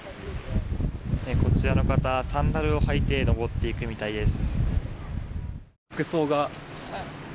こちらの方、サンダルを履いて登っていくみたいです。